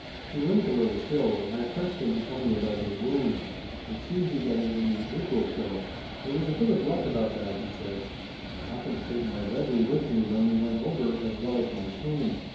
He limped a little still, and I pressed him to tell me about his wound. It seemed he got it in "the April show." "There was a bit of luck about that," he said. "I happened to take my Webley with me when we went over, as well as my cane.